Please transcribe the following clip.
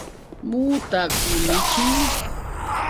Muhuta qunichiy.